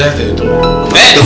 tar dulu deh tar dulu